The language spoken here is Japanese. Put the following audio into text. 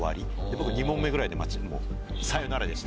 僕２問目ぐらいでさよならでした。